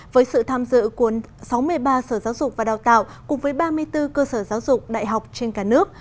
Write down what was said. với sự tham dự của sáu mươi ba sở giáo dục và đào tạo cùng với ba mươi bốn cơ sở giáo dục đại học trên cả nước